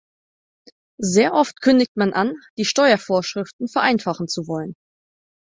Sehr oft kündigt man an, die Steuervorschriften vereinfachen zu wollen.